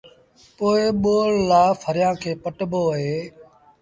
پو ٻوڙ لآ ڦريآݩ کي پٽبو اهي